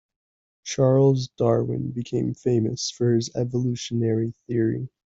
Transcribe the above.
Charles Darwin became famous for his evolutionary theory.